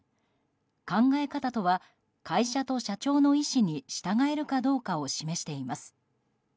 考え方とは会社と社長の意思に従えるかどうかを示しています。